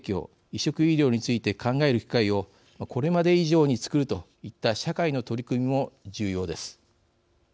・移植医療について考える機会をこれまで以上につくるといった社会の取り組みも重要です。